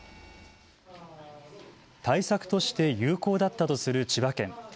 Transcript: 対策として有効だったとする千葉県。